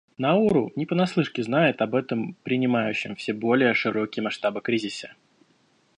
Науру не понаслышке знает об этом принимающем все более широкие масштабы кризисе.